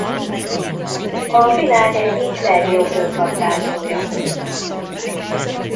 A világ egyik legjobb röplabdázója volt.